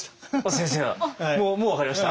先生はもう分かりました？